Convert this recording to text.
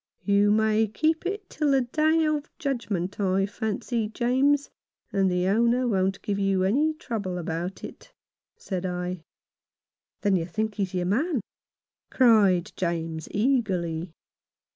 " "You may keep it till the Day of Judgment, I fancy, James, and the owner won't give you any trouble about it," said I. " Then you think he is your man ?" cried James, eagerly.